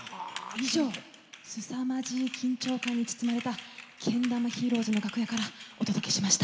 以上、すさまじい緊張感に包まれたけん玉ヒーローズの楽屋からお届けしました。